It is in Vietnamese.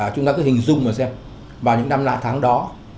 chúng ta cứ hình dung mà xem vào những năm lá tháng đó